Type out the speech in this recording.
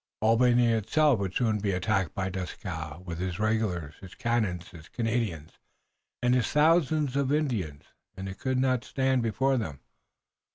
Albany itself would soon be attacked by Dieskau, with his regulars, his cannon, his Canadians and his thousands of Indians, and it could not stand before them.